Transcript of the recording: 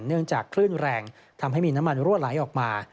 เนื่องจากคลื่นแรงทำให้มีน้ำมันรั่วไหลออกมา